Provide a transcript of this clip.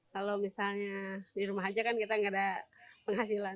kalau misalnya di rumah aja kan kita nggak ada penghasilan